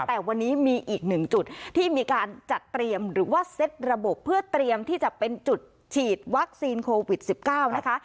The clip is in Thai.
แต่วันนี้มีอีกหนึ่งจุดที่มีการจัดเตรียมหรือว่าเซ็ตระบบเพื่อเตรียมที่จะเป็นจุดฉีดวัคซีนโควิด๑๙นะคะ